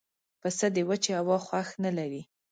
پسه د وچې هوا خوښ نه لري.